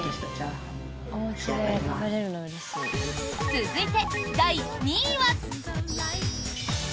続いて、第２位は。